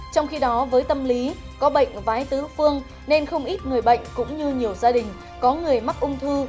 trong khi đó với tâm lý có bệnh vái tứ phương nên không ít người bệnh cũng như nhiều gia đình có người mắc ung thư